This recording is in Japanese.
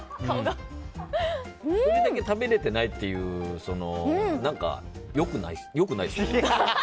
俺だけ食べれてないっていう良くないですよね。